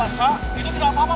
kalau di selang kita diam saja